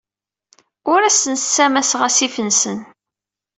Ur asen-ssamaseɣ asif-nsen.